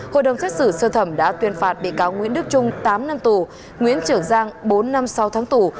hội đồng xét xử sơ thẩm đã tuyên phạt bị cáo nguyễn đức trung tám năm tù nguyễn trưởng giang bốn năm sau tháng tù